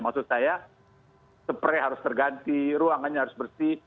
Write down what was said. maksud saya spray harus terganti ruangannya harus bersih